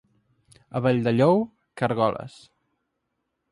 A Valldellou, caragoles.